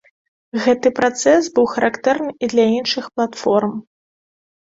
Гэты працэс быў характэрны і для іншых платформ.